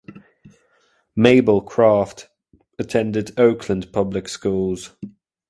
Mabel Craft attended Oakland public schools.